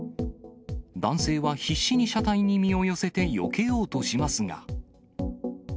男性は必死に車体に身を寄せて、よけようとしますが。